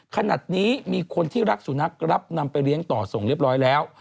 ขนาดนี้มีคนที่รักสุนัขรับนำไปเลี้ยงต่อส่งเรียบร้อยแล้ว